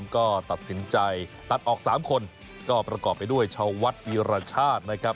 ก็ตัดสินใจตัดออก๓คนก็ประกอบไปด้วยชาววัดวีรชาตินะครับ